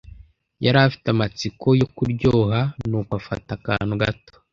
Yari afite amatsiko yo kuryoha, nuko afata akantu gato.